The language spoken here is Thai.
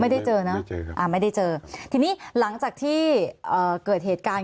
ไม่ได้เจอนะไม่เจอครับอ่าไม่ได้เจอทีนี้หลังจากที่อ่าเกิดเหตุการณ์